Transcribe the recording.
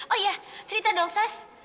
oh iya cerita dong sas